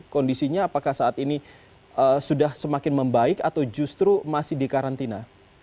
kondisinya apakah saat ini sudah semakin membaik atau justru masih di karantina